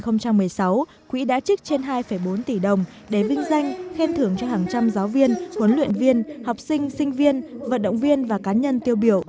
năm hai nghìn một mươi sáu quỹ đã trích trên hai bốn tỷ đồng để vinh danh khen thưởng cho hàng trăm giáo viên huấn luyện viên học sinh sinh viên vận động viên và cá nhân tiêu biểu